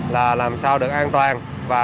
là làm sao được an toàn